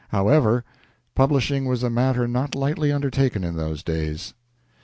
However, publishing was a matter not lightly undertaken in those days.